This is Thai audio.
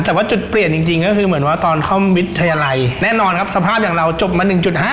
แต่ว่าจุดเปลี่ยนจริงก็คือเหมือนว่าตอนคล่อมวิทยาลัยแน่นอนครับสภาพอย่างเราจบมา๑๕